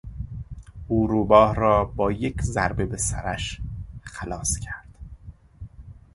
او روباه را با یک ضربه به سرش خلاص کرد.